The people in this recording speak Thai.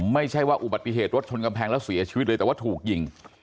ไม่ใช่ว่าอุบัติเหตุรถชนกำแพงแล้วเสียชีวิตเลยแต่ว่าถูกยิง